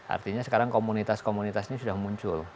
artinya sekarang komunitas komunitas ini sudah muncul